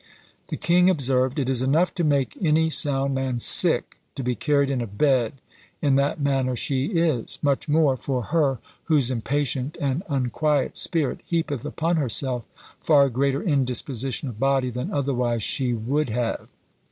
The king observed, "It is enough to make any sound man sick to be carried in a bed in that manner she is; much more for her whose impatient and unquiet spirit heapeth upon herself far greater indisposition of body than otherwise she would have."